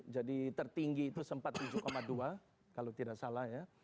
jadi tertinggi itu sempat tujuh dua kalau tidak salah ya